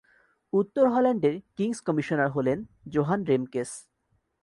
উত্তর হল্যান্ডের King's commissioner হলেন জোহান রেমকেস।